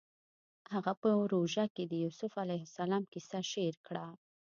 هغه په روژه کې د یوسف علیه السلام کیسه شعر کړه